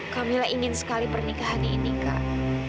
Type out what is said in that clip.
kamila ingin sekali pernikahan ini kak